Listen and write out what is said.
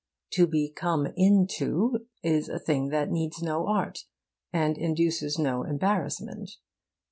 To be come in to is a thing that needs no art and induces no embarrassment.